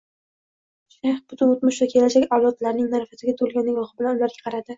Shayx butun o`tmish va kelajak avlodlarining nafratiga to`lgan nigohi bilan ularga qaradi